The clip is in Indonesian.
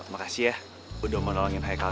makasih ya udah nolongin haikal